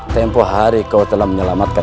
tempoh hari kau telah menyelamatkan